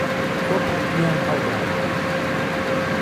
کۆپەک لێيان ههڵداوه